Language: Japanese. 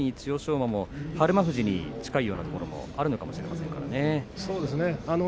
馬も日馬富士に近いような状況があるかもしれませんね。